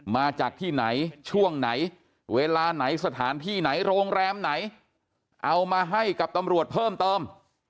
มาจากที่ไหนช่วงไหนเวลาไหนสถานที่ไหนโรงแรมไหนเอามาให้กับตำรวจเพิ่มเติม